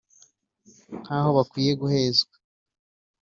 ntaho bakwiye guhezwa